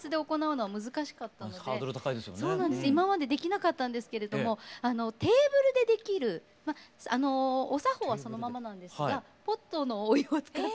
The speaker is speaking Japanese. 今までできなかったんですけれどもテーブルでできるお作法はそのままなんですがポットのお湯を使ったりとかで気楽にできる茶道がありまして。